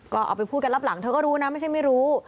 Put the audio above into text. ก็เอาไปพูดกันรับหลังเธอก็รู้นะไม่ใช่ไม่รู้